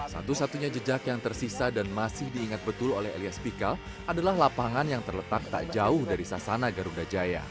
satu satunya jejak yang tersisa dan masih diingat betul oleh elias pikal adalah lapangan yang terletak tak jauh dari sasana garuda jaya